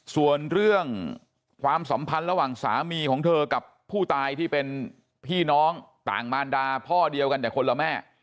ส่วนเรื่องความสัมพันธ์ระหว่างสามีของเธอกับผู้ตายที่เป็นพี่น้องต่างมารดาพ่อเดียวกันแต่คนละแม่